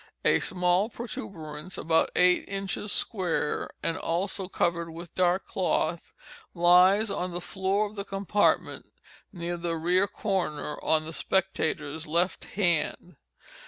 A small protuberance about eight inches square, and also covered with dark cloth, lies on the floor of the compartment near the rear corner on the spectators' left hand.